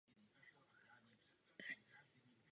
Viníci nebyli zadrženi ani vzati do vazby.